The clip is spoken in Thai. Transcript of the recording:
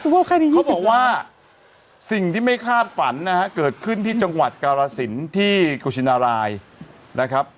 เขาบอกว่าสิ่งที่ไม่คาดฝันนะฮะเกิดขึ้นที่จังหวัดกาลสินที่กุชินารายนะครับ